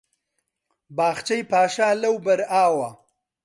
باخچەی پاشا لەوبەر ئاوە